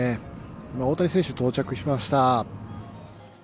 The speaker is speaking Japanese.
今、大谷選手、到着しました。